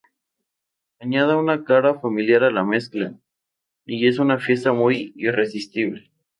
Añada una cara familiar a la mezcla, y es una fiesta muy irresistible".